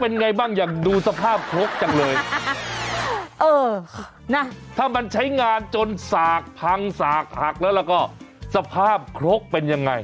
เป็นไงบ้างอยากดูสภาพครกจังเลยเออนะถ้ามันใช้งานจนสากพังสากหักแล้วแล้วก็สภาพครกเป็นยังไง